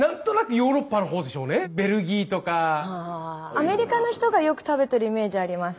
アメリカの人がよく食べてるイメージあります。